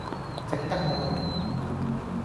整得好好